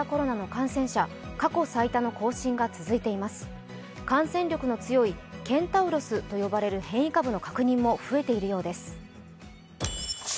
感染力の強いケンタウロスと呼ばれる変異株も増えているようです。